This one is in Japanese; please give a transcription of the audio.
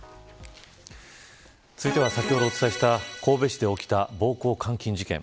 続いては先ほどお伝えした神戸市で起きた暴行監禁事件。